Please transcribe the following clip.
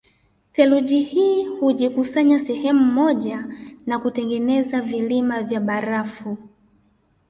Theluji hii hujikusanya sehemu moja na kutengeneza vilima vya barafu